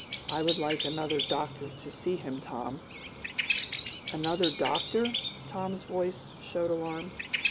I would like another doctor to see him, Tom." "Another doctor?" Tom's voice showed his alarm.